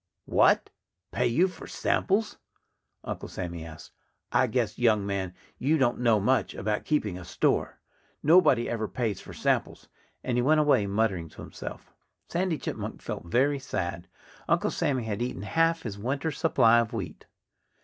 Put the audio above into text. "What! Pay you for the samples?" Uncle Sammy asked. "I guess, young man, you don't know much about keeping a store. Nobody ever pays for samples." And he went away muttering to himself. Sandy Chipmunk felt very sad. Uncle Sammy had eaten half his winter's supply of wheat.